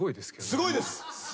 すごいです。